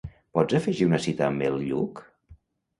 Pots afegir una cita amb el Lluc?